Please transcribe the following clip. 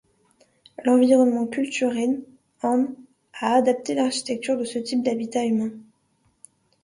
L'environnement culturel Han a adapté l'architecture de ce type d'habitat humain.